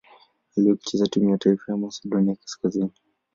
Aliwahi kucheza timu ya taifa ya Masedonia Kaskazini.